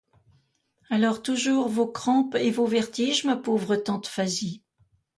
Alors, toujours vos crampes et vos vertiges, ma pauvre tante Phasie.